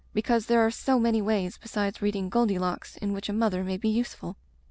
Because there are so many ways besides reading Goldilocks in which a mother may be useful.